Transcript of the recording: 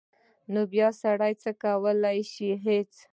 نو بیا سړی څه کولی شي هېڅ.